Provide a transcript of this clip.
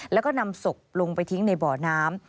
แล้วก็นำศพลงไปทิ้งในบ่อน้ำ